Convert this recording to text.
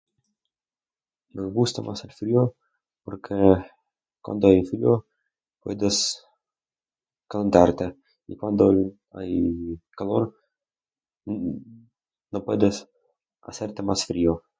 Nos gusta más el frío porque cuando hay frío puedes calentarte y cuando el... hay calor no pueden hacerte más frío.